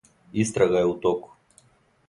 Истрага је у току.